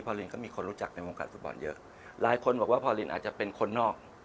พอลินก็มีคนรู้จักในวงการฟุตบอลเยอะหลายคนบอกว่าพอลินอาจจะเป็นคนนอก